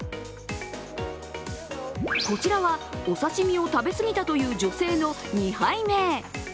こちらは、お刺身を食べ過ぎたという女性の２杯目。